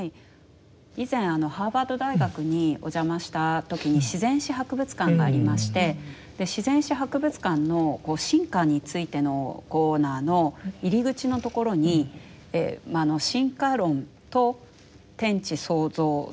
以前ハーバード大学にお邪魔した時に自然史博物館がありまして自然史博物館の進化についてのコーナーの入り口のところに進化論と天地創造説とＩＤ論